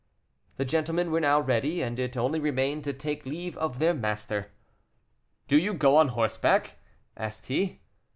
The gentlemen were now ready, and it only remained to take leave of their master. "Do you go on horseback?" asked he.